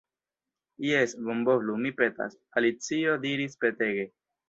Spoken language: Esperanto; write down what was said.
"Jes, bonvolu, mi petas," Alicio diris petege.